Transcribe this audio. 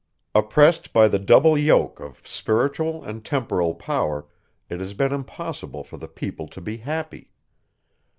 Oppressed by the double yoke of spiritual and temporal power, it has been impossible for the people to be happy.